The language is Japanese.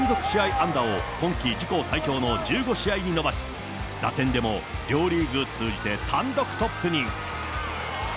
安打を今季自己最長の１５試合に伸ばし、打点でも両リーグ通じて単独トップに。